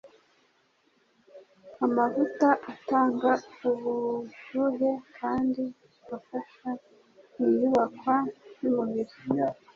Amavuta Atanga ubushyuhe kandi afasha mu iyubakwa ry'umubiri